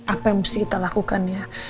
apa yang mesti kita lakukan